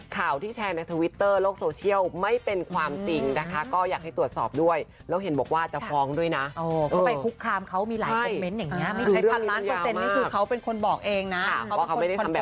ข่าวที่แชร์ในท์ทวิเตอร์โลกโซเชียลไม่เป็นความจริงนะคะ